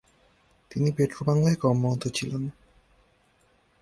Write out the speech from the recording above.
তিনি পেট্রোবাংলায় কর্মরত ছিলেন।